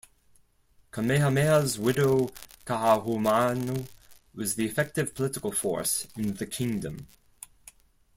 Kamehameha's widow Kaahumanu was the effective political force in the kingdom.